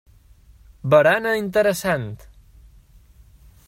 Barana interessant.